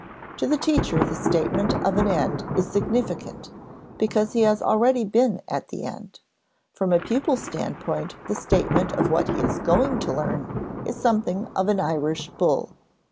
To the teacher the statement of an end is significant, because he has already been at the end; from a pupil's standpoint the statement of what he is going to learn is something of an Irish bull.